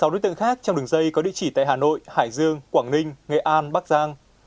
sáu đối tượng khác trong đường dây có địa chỉ tại hà nội hải dương quảng ninh nghệ an bắc giang